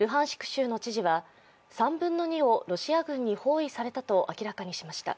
州の知事は３分の２をロシア軍に包囲されたと明らかにしました。